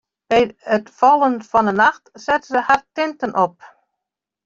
By it fallen fan 'e nacht setten se har tinten op.